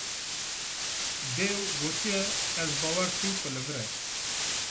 Dêw gotiye: Ez bawer dikim ku li vir e.